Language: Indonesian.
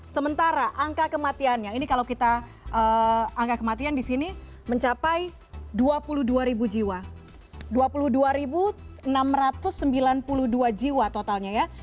sementara angka kematiannya ini kalau kita angka kematian di sini mencapai dua puluh dua jiwa enam ratus sembilan puluh dua jiwa totalnya ya